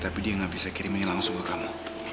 tapi dia gak bisa kirimin langsung ke kamu